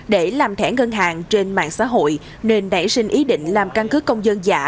để làm thẻ ngân hàng trên mạng xã hội nên nảy sinh ý định làm căn cứ công dân giả